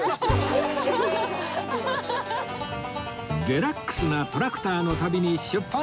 デラックスなトラクターの旅に出発！